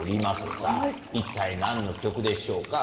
さぁ一体何の曲でしょうか？